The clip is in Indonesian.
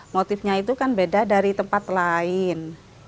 motifnya itu kan beda dari tempat lain